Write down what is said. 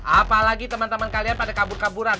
apalagi teman teman kalian pada kabur kaburan